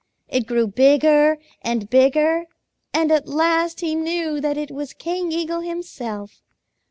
It grew bigger and bigger, and at last he knew that it was King Eagle himself.